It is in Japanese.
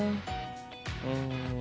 うん。